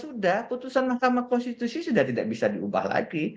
sudah putusan mahkamah konstitusi sudah tidak bisa diubah lagi